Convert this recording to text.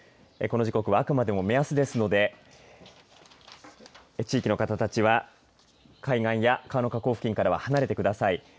この時刻はあくまでも目安ですので地域の方たちは海岸や川の河口付近からは離れてください。